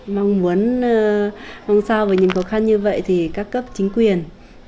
mong muốn mong sao với những khó khăn như vậy thì các cấp chính quyền